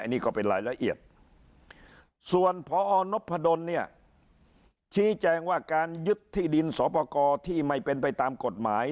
นี่ก็เป็นรายละเอียดส่วนพอนพดลเนี่ยชี้แจงว่าการยึดที่ดินสอปกรที่ไม่เป็นไปตามกฎหมาย